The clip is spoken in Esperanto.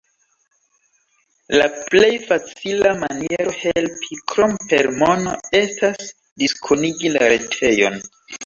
La plej facila maniero helpi, krom per mono, estas diskonigi la retejon.